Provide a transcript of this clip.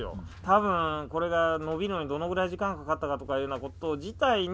多分これが伸びるのにどのぐらい時間がかかったかとかいうようなこと自体に興味を。